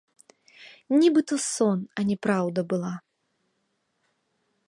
Нібы то сон, а не праўда была.